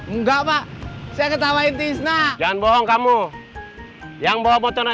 enggak pak saya ketawain tisna jangan bohong kamu yang bawa motornya